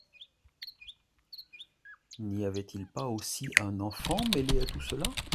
N’y avait-il pas aussi un enfant mêlé à tout cela ?